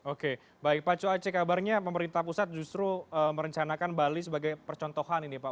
oke baik pak cuace kabarnya pemerintah pusat justru merencanakan bali sebagai percontohan ini pak